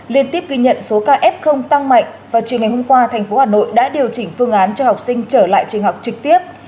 liên tiếp ghi nhận số ca f tăng mạnh vào chiều ngày hôm qua thành phố hà nội đã điều chỉnh phương án cho học sinh trở lại trường học trực tiếp